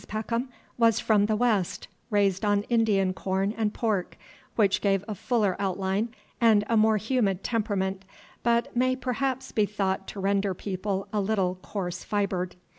Peckham was from the West, raised on Indian corn and pork, which give a fuller outline and a more humid temperament, but may perhaps be thought to render people a little coarse fibred.